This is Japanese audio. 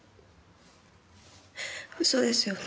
嘘ですよね？